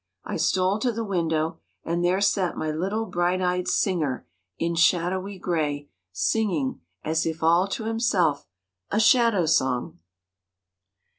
I stole to the window and there sat my little bright eyed singer in shadowy gray, singing, as if all to himself, a shadow song.